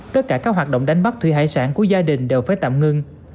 tất cả các hoạt động đánh bắt thủy hải sản của gia đình đều phải tạm ngưng